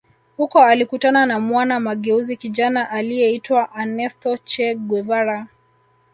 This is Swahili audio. Huko alikutana na mwana mageuzi kijana aliyeitwa Ernesto Che Guevara